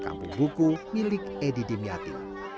kampung buku milik edi dimyati